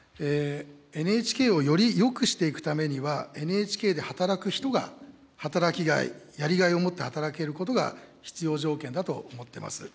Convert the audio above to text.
ＮＨＫをよりよくしていくためには、ＮＨＫで働く人が、働きがい、やりがいを持って働けることが必要条件だと思ってます。